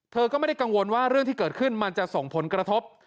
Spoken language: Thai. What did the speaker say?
เธอก็ไม่ได้กังวลว่าเรื่องที่เกิดขึ้นมันจะส่งผลกระทบ